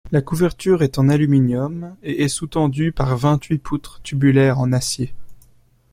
La couverture est en aluminium et est sous-tendue par vingt-huit poutres tubulaires en acier.